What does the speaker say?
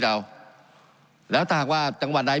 การปรับปรุงทางพื้นฐานสนามบิน